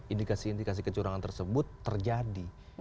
indikasi indikasi kecurangan tersebut terjadi